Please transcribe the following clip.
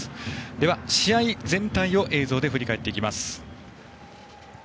では試合全体を映像で振り返ります。